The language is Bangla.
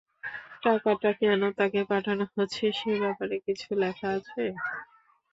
টাকাটা কেন তাকে পাঠানো হচ্ছে সে ব্যাপারে কিছু লেখা আছে?